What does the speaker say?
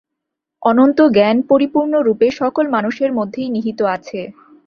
অনন্ত জ্ঞান পরিপূর্ণরূপে সকল মানুষের মধ্যেই নিহিত আছে।